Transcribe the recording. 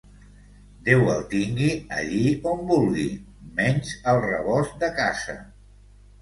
Déu el tingui allí on vulgui, menys al rebost de casa.